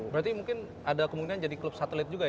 berarti mungkin ada kemungkinan jadi klub satelit juga ya